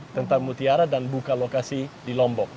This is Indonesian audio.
tentang mutiara dan buka lokasi di lombok